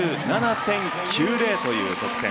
６７．９０という得点。